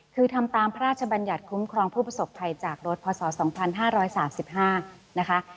คือทำตามพระราชบัญญัติคุ้มครองผู้ประสบภัยจากรถพศ๒๕๓๕นะคะ